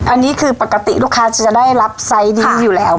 อันนี้คือปกติลูกค้าจะได้รับไซส์นี้อยู่แล้ว